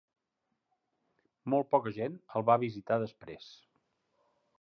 Molt poca gent el va visitar després.